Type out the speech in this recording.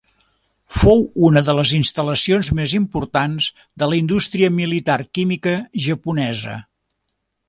Fou una de les instal·lacions més importants de la indústria militar química japonesa.